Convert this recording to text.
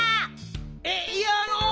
えっいやあの。